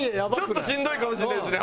ちょっとしんどいかもしれないですね